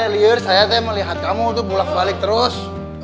lihat saya tuh mau lihat kamu tuh bulak balik terus